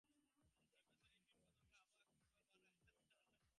নিম্নশ্রেণীর কীট-পতঙ্গ আবহাওয়ার খোঁজখবর ভালো রাখলেও আজকাল তারাও ভুল করছে।